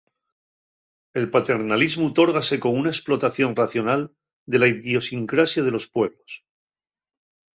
El paternalismu tórgase con una esplotación racional de la idiosincrasia de los pueblos.